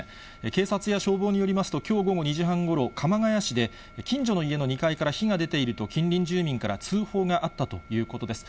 警察や消防によりますと、きょう午後２時半ごろ、鎌ケ谷市で、近所の家の２階から火が出ていると、近隣住民から通報があったということです。